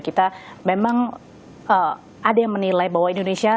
kita memang ada yang menilai bahwa indonesia